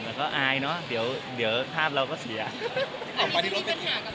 อันนี้ไม่มีปัญหากระตาเข้ากล้องอะไรใช่ไหมครับ